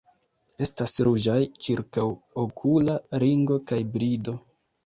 Estas ruĝaj ĉirkaŭokula ringo kaj brido.